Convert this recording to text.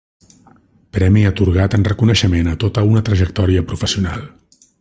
Premi atorgat en reconeixement a tota una trajectòria professional.